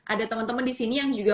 ada teman teman disini yang juga